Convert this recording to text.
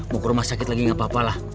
mau ke rumah sakit lagi gak apa apa lah